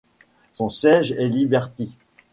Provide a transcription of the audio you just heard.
Son siège est Liberty.